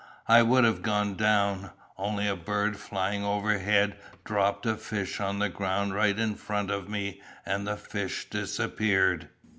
I would have gone down, only a bird flying overhead dropped a fish on the ground right in front of me and the fish disappeared."